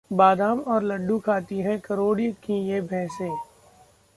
बादाम और लड्डू खाती हैं करोड़ों की ये भैंसे!